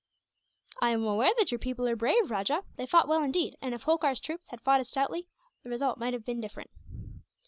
"I am aware that your people are brave, Rajah. They fought well, indeed; and if Holkar's troops had fought as stoutly, the result might have been different."